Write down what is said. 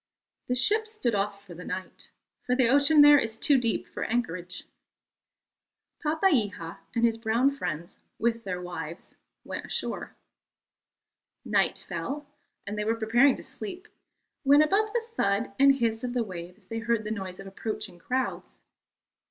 The ship stood off for the night, for the ocean there is too deep for anchorage. Papeiha and his brown friends, with their wives, went ashore. Night fell, and they were preparing to sleep, when, above the thud and hiss of the waves they heard the noise of approaching crowds.